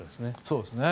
そうですね。